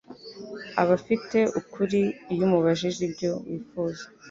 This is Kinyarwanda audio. aba afite ukuri iyumubajije ibyo wifuza